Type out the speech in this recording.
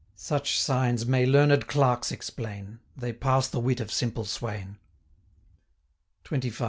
Such signs may learned clerks explain, They pass the wit of simple swain. XXV.